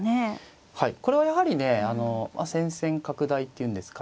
これはやはりね戦線拡大っていうんですかね